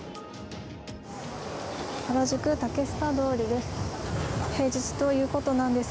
原宿・竹下通りです。